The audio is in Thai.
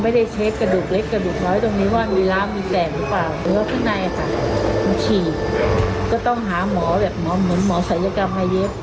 เพราะข้างในมาเฉียบก็ต้องหาหมอเหมือนหมอสายศัยกรมอาเย็ด